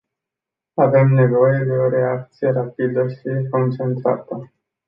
Avem nevoie de o reacție rapidă și concertată.